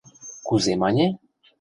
Кузе мане?